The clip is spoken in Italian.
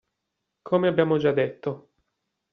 Come abbiamo già detto.